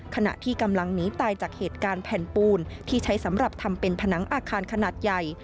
ขณะที่กำลังหนีตายจากเหตุการณ์แผ่นปูนที่ใช้สำหรับทำเป็นผนังอาคารขนาดใหญ่